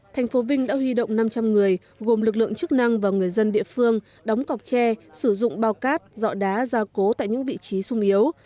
thành phố vinh đã huy động năm trăm linh người gồm lực lượng chức năng và người dân địa phương đóng cọc tre sử dụng bao cát dọ đá ra cố tại những vị trí sung yếu